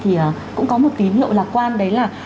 thì cũng có một tín hiệu lạc quan đấy là